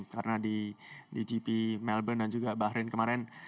karena di gp melbourne dan juga bahrain kemarin